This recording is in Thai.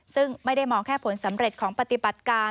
ซึ่งไม่ได้มองแค่ผลสำเร็จของปฏิบัติการ